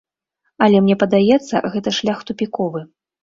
Але мне падаецца, гэта шлях тупіковы.